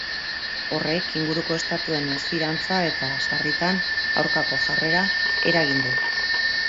Horrek inguruko estatuen mesfidantza eta, sarritan, aurkako jarrera eragin du.